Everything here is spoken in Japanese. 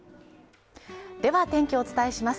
では天気をお伝えします。